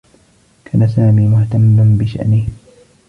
كان سامي مهتمّا بشأنه.